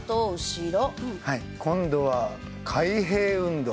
今度は開閉運動。